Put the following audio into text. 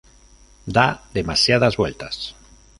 Da demasiadas vueltas.